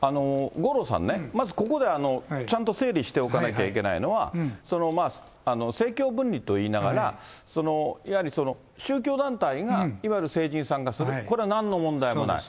五郎さんね、まずここでちゃんと整理しておかなきゃいけないのは、その政教分離といいながら、やはり宗教団体が今の政治に参加する、これはなんの問題もない。